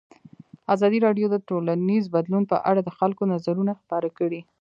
ازادي راډیو د ټولنیز بدلون په اړه د خلکو نظرونه خپاره کړي.